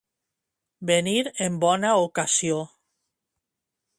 Venir en bona ocasió.